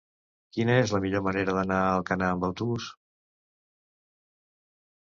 Quina és la millor manera d'anar a Alcanar amb autobús?